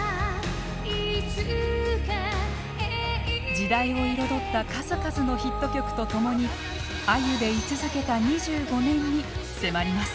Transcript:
時代を彩った数々のヒット曲と共に「ａｙｕ」で居続けた２５年に迫ります。